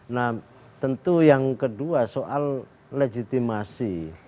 nah tentu yang kedua soal legitimasi